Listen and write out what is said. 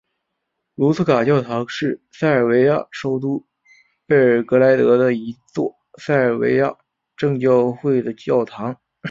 卢茨卡教堂是塞尔维亚首都贝尔格莱德的一座塞尔维亚正教会的教堂。